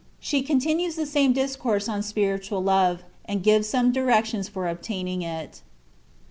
BHB CONTINUBS THE SAME DISCOURSE ON SPIRITUAL LOVE, AND GIVES SOME DIRECTIONS FOR OBTAINING IT.